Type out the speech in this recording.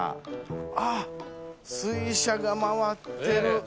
あっ水車が回ってる。